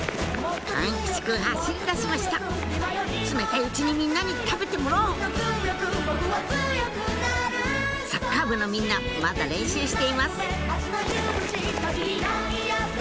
貫吉くん走りだしました冷たいうちにみんなに食べてもらおうサッカー部のみんなまだ練習しています